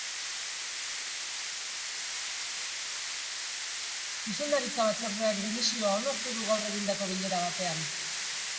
Zuzendaritza-batzordeak dimisioa onartu du gaur egindako bilera batean.